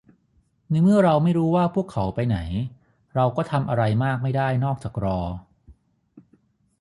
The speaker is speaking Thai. ในเมื่อเราไม่รู้ว่าพวกเขาไปไหน เราก็ทำอะไรมากไม่ได้นอกจากรอ